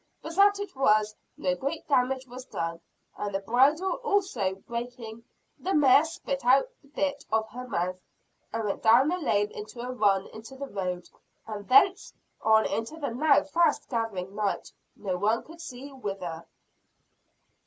But, as it was, no great damage was done; and the bridle also breaking, the mare spit the bit out of her mouth, and went down the lane in a run to the road, and thence on into the now fast gathering night, no one could see whither.